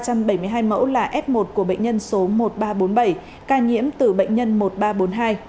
trong bảy mươi hai mẫu là f một của bệnh nhân số một nghìn ba trăm bốn mươi bảy ca nhiễm từ bệnh nhân một nghìn ba trăm bốn mươi hai